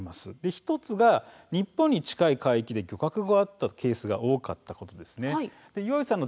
１つが、日本に近い海域で漁獲があったケースが多かったことです。